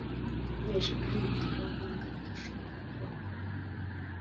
ikoresha kandi byanaba ngombwa igashobora kubaho